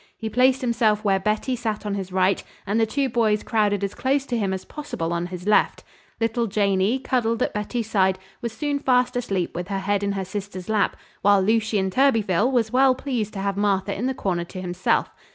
He placed himself where Betty sat on his right, and the two boys crowded as close to him as possible on his left. Little Janey, cuddled at Betty's side, was soon fast asleep with her head in her sister's lap, while Lucien Thurbyfil was well pleased to have Martha in the corner to himself.